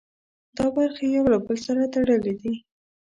دا برخې یو له بل سره تړلي دي.